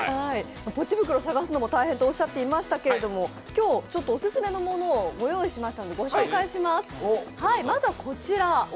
ポチ袋を探すのも大変とおっしゃっていましたけれども今日、オススメのものをご用意しました。